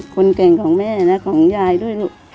คนเก่งของแม่และของยายด้วยลูก